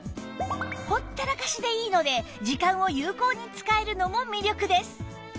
ほったらかしでいいので時間を有効に使えるのも魅力です